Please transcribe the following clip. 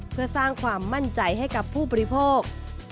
เพื่อสร้างความมั่นใจให้กับผู้บริโภค